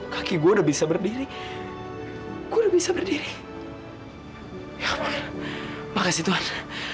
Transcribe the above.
kaki gua udah bisa berdiri gua udah bisa berdiri ya allah makasih tuhan